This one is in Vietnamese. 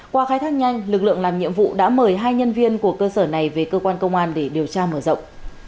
qua khai thác nhanh lực lượng làm nhiệm vụ đã mời hai nhân viên của cơ sở này về cơ quan công an để điều tra mở rộng